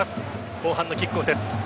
後半のキックオフです。